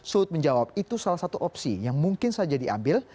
suhud menjawab itu salah satu opsi yang mungkin saja diambil